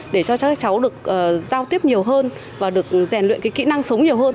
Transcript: để cho các cháu được giao tiếp nhiều hơn và được rèn luyện kỹ năng sống nhiều hơn